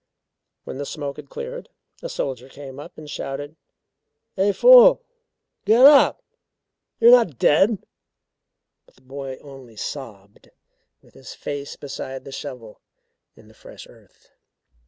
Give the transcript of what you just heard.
When the smoke had cleared, a soldier came up and shouted: "Hey fool? Get up! You're not dead." But the boy only sobbed, with his face beside the shovel in the fresh earth.